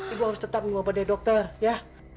ibu harus tetap minum obat deh dokter ya